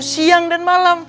siang dan malam